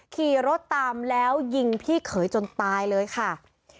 ขี่รถตามแล้วยิงพี่เขยจนตายเลยค่ะ